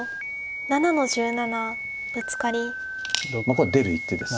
これ出る一手です。